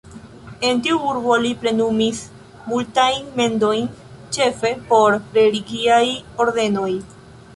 En tiu urbo li plenumis multajn mendojn, ĉefe por religiaj ordenoj.